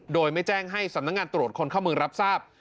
โดยไม่แจ้งให้สำนักงานตรวจคนเข้าเมืองรับทราบ